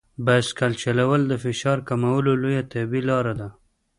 بایسکل چلول د فشار کمولو یوه طبیعي لار ده.